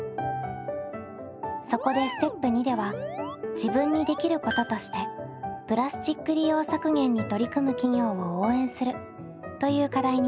そこでステップ②では自分にできることとしてプラスチック利用削減に取り組む企業を応援するという課題に変更。